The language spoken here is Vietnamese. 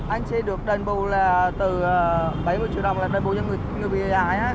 anh xin được đơn bù là từ bảy mươi triệu đồng là đơn bù cho người bị hư hãi á